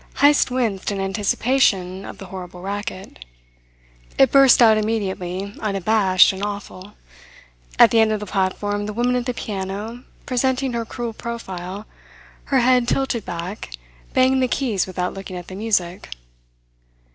Heyst winced in anticipation of the horrible racket. It burst out immediately unabashed and awful. At the end of the platform the woman at the piano, presenting her cruel profile, her head tilted back, banged the keys without looking at the music.